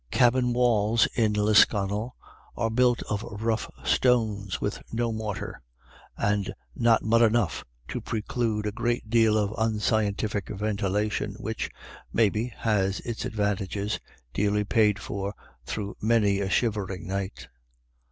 Cabin walls in Lisconnel are built of rough stones with no mortar, and not mud enough to LISCONNEL. 7 preclude a great deal of unscientific ventilation, which, maybe, has its advantages, dearly paid for through many a shivering night.